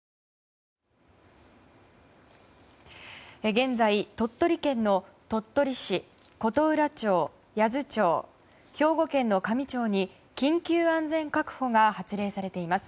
現在、鳥取県の鳥取市琴浦町、八頭町兵庫県の香美町に緊急安全確保が発令されています。